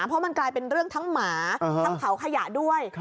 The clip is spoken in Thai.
เพราะมันกลายเป็นเรื่องทั้งหมาทั้งเผาขยะด้วย